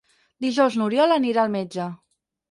Dijous n'Oriol anirà al metge.